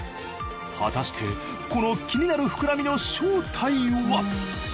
果たしてこの気になるふくらみの正体は！？